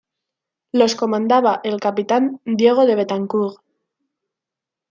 Los comandaba el capitán Diego de Betancourt.